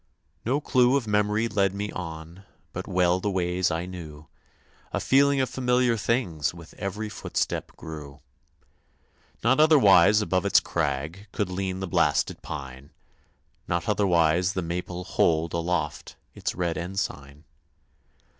No clue of memory led me on, But well the ways I knew; A feeling of familiar things With every footstep grew. Not otherwise above its crag Could lean the blasted pine; Not otherwise the maple hold Aloft its red ensign.